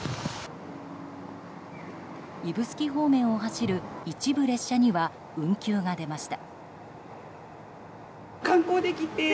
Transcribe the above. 指宿方面を走る一部列車には運休が出ました。